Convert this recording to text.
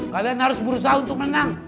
kalian harus berusaha untuk menang